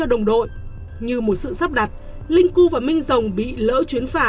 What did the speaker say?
đồng đội như một sự sắp đặt linh cưu và minh rồng bị lỡ chuyến phả